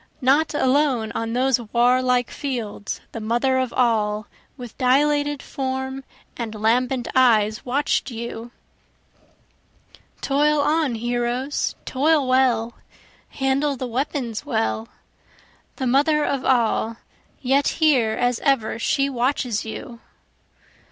Not alone on those warlike fields the Mother of All, With dilated form and lambent eyes watch'd you. Toil on heroes! toil well! handle the weapons well! The Mother of All, yet here as ever she watches you.